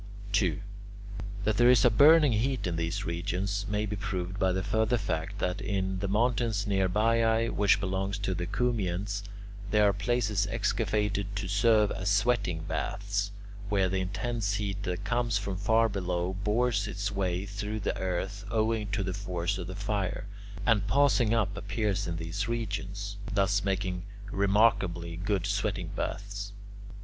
2. That there is burning heat in these regions may be proved by the further fact that in the mountains near Baiae, which belongs to the Cumaeans, there are places excavated to serve as sweating baths, where the intense heat that comes from far below bores its way through the earth, owing to the force of the fire, and passing up appears in these regions, thus making remarkably good sweating baths.